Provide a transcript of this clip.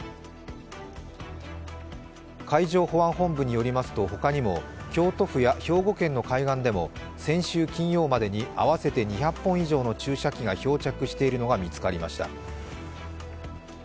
海上保安部によりますと、他にも京都府や兵庫県の海岸でも先週金曜までに合わせて２００本以上の注射器が漂着しているのが見つかりました。